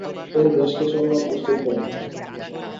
তিনি বেশ কিছু অনুমান প্রস্তুত করেন।